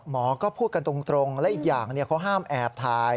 หมอก็พูดกันตรงและอีกอย่างเขาห้ามแอบถ่าย